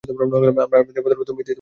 আমার দেবররা বলিল–তুমি তীর্থবাসে যাও।